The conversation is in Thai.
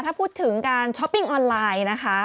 ถ้าพูดถึงการช้อปปิ้งออนไลน์นะคะ